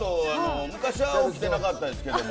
昔は起きてなかったですけども。